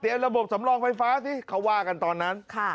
เตรียมระบบสำรองไฟฟ้าสิเค้าว่ากันตอนนั้นครับ